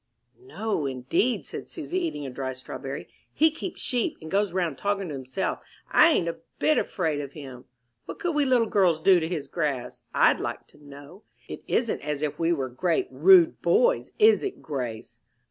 "No, indeed," said Susy, eating a dry strawberry. "He keeps sheep, and goes round talking to himself. I ain't a bit afraid of him. What could we little girls do to his grass, I'd like to know? It isn't as if we were great, rude boys, is it, Grace?"